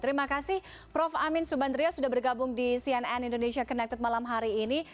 terima kasih prof amin subandria sudah bergabung di cnn indonesia connected malam hari ini